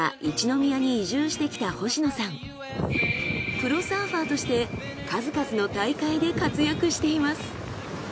プロサーファーとして数々の大会で活躍しています。